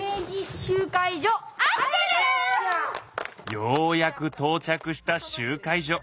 ようやくとう着した集会所。